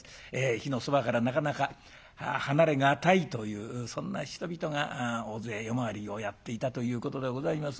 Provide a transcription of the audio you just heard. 火のそばからなかなか離れがたいというそんな人々が大勢夜回りをやっていたということでございますが。